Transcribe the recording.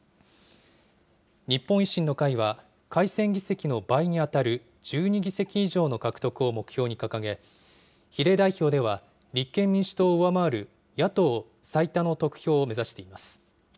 日本維新の会は、改選議席の倍に当たる１２議席以上の獲得を目標に掲げ、比例代表では立憲民主党を上回る野党最多の得票を目指しています。